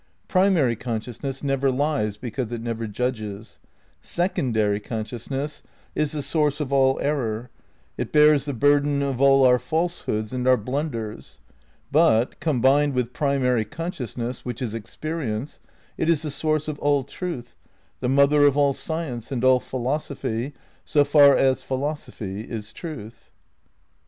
Primary consciousness never lies, because it never judges. Secondary consciousness is the source of all error. It bears the burden of all our falsehoods and our blunders. But, combined with primary conscious ness, which is experience, it is the source of all truth, the mother of all science and all philosophy, so far as philosophy is truth.